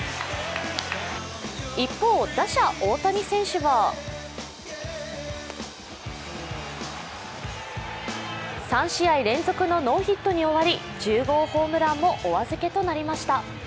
一方、打者・大谷選手は３試合連続のノーヒットに終わり１０号ホームランもお預けとなりました。